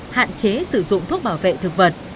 hạn chế sử dụng thuốc bảo vệ thực vật